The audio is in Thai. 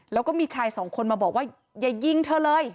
แล้วก็มีชายสองคนมาบอกว่าอย่ายิงเธอเลย